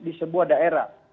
di sebuah daerah